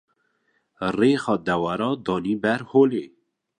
rêxa dewera danî ber holê.